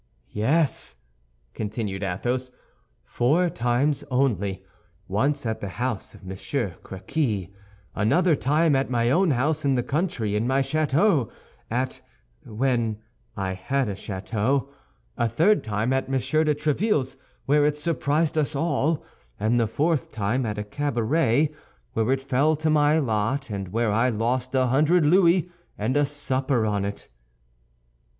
"Yes," continued Athos, "four times only; once at the house of Monsieur Créquy; another time at my own house in the country, in my château at—when I had a château; a third time at Monsieur de Tréville's where it surprised us all; and the fourth time at a cabaret, where it fell to my lot, and where I lost a hundred louis and a supper on it."